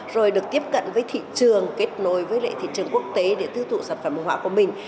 rồi được tiếp cận với thị trường kết nối với lại thị trường quốc tế để tư thụ sản phẩm hóa của mình